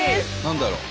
何だろう？